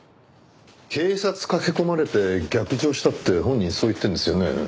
警察駆け込まれて逆上したって本人そう言ってるんですよね。